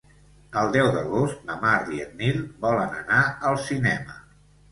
El deu d'agost na Mar i en Nil volen anar al cinema.